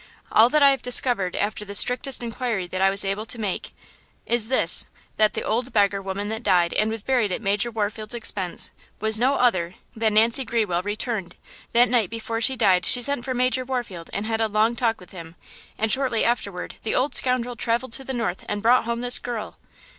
All that I have discovered after the strictest inquiry that I was enabled to make, is this–that the old beggar woman that died and was buried at Major Warfield's expense, was no other than Nancy Grewell, returned–that the night before she died she sent for Major Warfield and had a long talk with him, and that shortly afterward the old scoundrel traveled to the north and brought home this girl!"